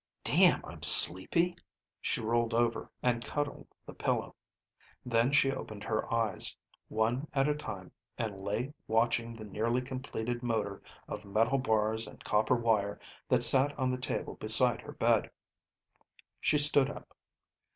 "Damn! I'm sleepy." She rolled over and cuddled the pillow. Then she opened her eyes, one at a time, and lay watching the nearly completed motor of metal bars and copper wire that sat on the table beside her bed. She stood up.